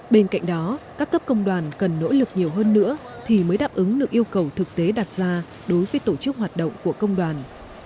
bên cạnh đó các cấp công đoàn cần nỗ lực nhiều hơn nữa thì mới đáp ứng được yêu cầu thực tế đặt ra đối với tổ chức hoạt động của công đoàn